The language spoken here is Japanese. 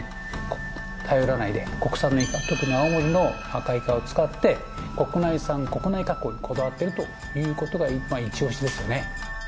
国産のイカ特に青森の赤イカを使って国内産国内加工にこだわってるということがイチオシですよね。